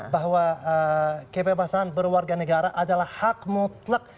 bahwa kebebasan berwarga negara adalah hak mutlak